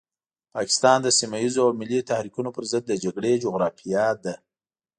پاکستان د سيمه ييزو او ملي تحريکونو پرضد د جګړې جغرافيې ده.